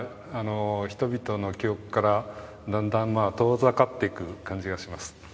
人々の記憶から、だんだん遠ざかっていく感じがします。